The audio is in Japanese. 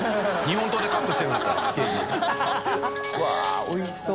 うわっおいしそう。